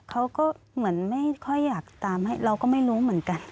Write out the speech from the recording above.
เขาก็เหมือนไม่ค่อยอยากตามให้เราก็ไม่รู้เหมือนกัน